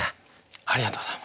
ありがとうございます。